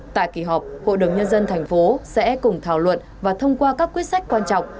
tại kỳ họp hội đồng nhân dân thành phố sẽ cùng thảo luận và thông qua các quyết sách quan trọng